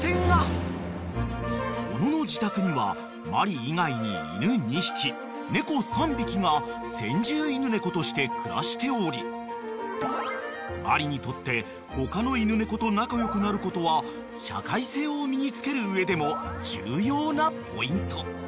［小野の自宅にはマリ以外に犬２匹猫３匹が先住犬猫として暮らしておりマリにとって他の犬猫と仲良くなることは社会性を身に付ける上でも重要なポイント］